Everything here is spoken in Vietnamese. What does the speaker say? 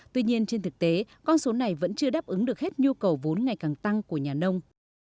tuy nhiên trên thực tế con số này vẫn chưa đáp ứng được hết nhu cầu vốn ngày càng tăng của nhà nông